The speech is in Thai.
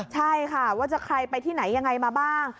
ใช่ค่ะว่าจะใครไปที่ไหนยังไงมาบ้าง